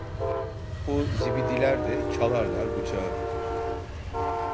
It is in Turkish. O zibidiler de çalarlar bıçağı.